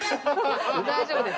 大丈夫です。